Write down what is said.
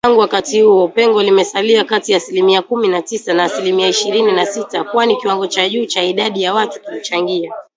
Tangu wakati huo, pengo limesalia kati ya asilimia kumi na tisa na asilimia ishirini na sita, kwani kiwango cha juu cha idadi ya watu kilichangia